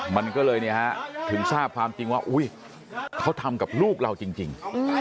มันก็เลยเนี่ยฮะถึงทราบความจริงว่าเขาทำกับลูกเราจริง